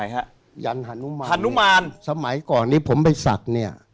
ก็ยันท์หานุมารสมัยก่อนนี้ผมไปสักเนี้ย